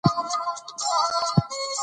زما ښایسته اخلاقو واله خلک خوښېږي.